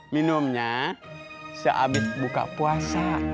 minumnya sehabis buka puasa